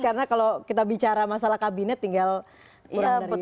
karena kalau kita bicara masalah kabinet tinggal kurang dari dua tahun lagi